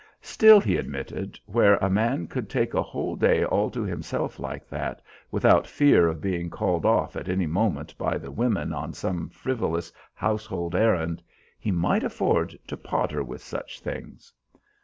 Still, he admitted, where a man could take a whole day all to himself like that, without fear of being called off at any moment by the women on some frivolous household errand, he might afford to potter with such things.